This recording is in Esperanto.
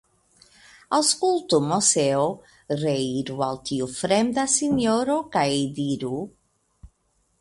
Aŭskultu, Moseo; reiru al tiu fremda sinjoro kaj diruk